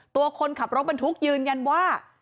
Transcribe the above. ตัวคนขับรถบรรทุกยืนยันว่า